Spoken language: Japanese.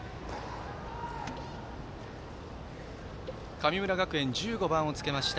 神村学園１５番をつけました